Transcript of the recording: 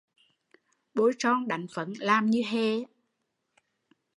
Bôi son đánh phấn làm như hề